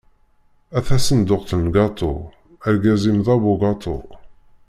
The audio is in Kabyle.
A tasenduqt n lgaṭu, argaz-im d abugaṭu.